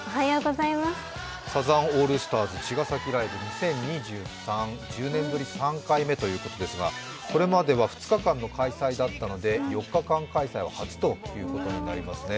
サザンオールスターズ「茅ヶ崎ライブ２０２３」、１０年ぶり３回目ということですが、これまでは２日間の開催だったので４日間開催は初ということになりますね。